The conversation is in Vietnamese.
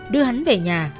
đưa hắn về nhà